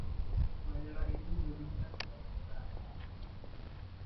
Majalah itu menerbitkan permintaan maaf.